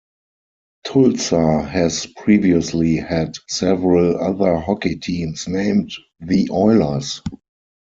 Tulsa has previously had several other hockey teams named the Oilers.